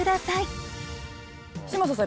嶋佐さん